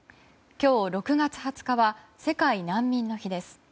今日６月２０日は世界難民の日です。